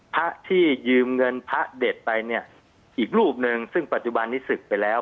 พระที่ยืมเงินพระเด็ดไปเนี่ยอีกรูปหนึ่งซึ่งปัจจุบันนี้ศึกไปแล้ว